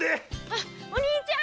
あっお兄ちゃん！